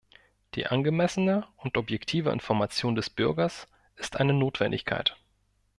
Die angemessene und objektive Information des Bürgers ist eine Notwendigkeit.